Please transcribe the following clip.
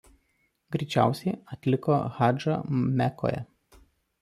Greičiausiai atliko hadžą Mekoje.